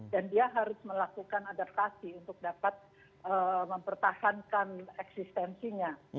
dan dia harus melakukan adaptasi untuk dapat mempertahankan eksistensinya